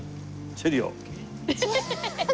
チェリオ？